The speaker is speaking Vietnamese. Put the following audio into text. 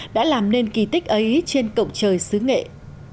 đã làm nên kỳ tích ấy trên cổng trời xanh bạt ngàn